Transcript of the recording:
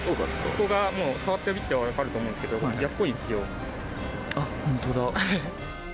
ここがもう、触ってみて分かると思うんですけど、あっ、本当だ。